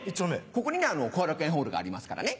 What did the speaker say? ここに後楽園ホールがありますからね。